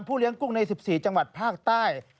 เลี้ยงกุ้งใน๑๔จังหวัดภาคใต้